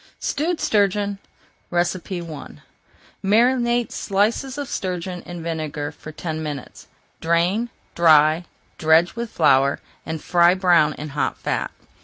STEWED STURGEON I Marinate slices of sturgeon in vinegar for ten minutes. Drain, dry, dredge with flour, and fry brown in hot fat.